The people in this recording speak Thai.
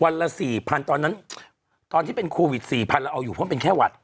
ละ๔๐๐ตอนนั้นตอนที่เป็นโควิด๔๐๐เราเอาอยู่เพราะเป็นแค่หวัด